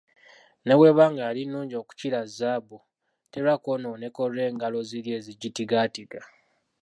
Ne bw’eba nga yali nnungi okukira zzaabu terwa kw'onooneka olw'engalo ziri ezigitigaatiga.